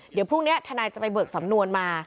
เดี๋ยวพรุ่งนี้ทนายจะไปเบิกสำนวนมา